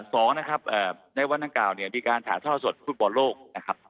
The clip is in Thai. สองนะครับในวันดังกล่าวเนี่ยมีการถ่ายท่อสดฟุตบอลโลกนะครับ